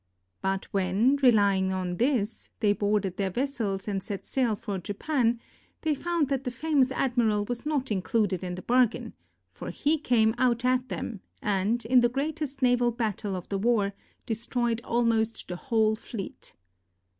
But when, relying on this, they boarded their ves sels and set sail for Japan, they found that the famous admiral was not included in the bargain, for he came out at them, and, in the greatest naval battle of the war, destroyed almost the whole fleet.